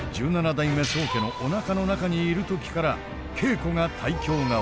代目宗家のおなかの中にいる時から稽古が胎教代わり。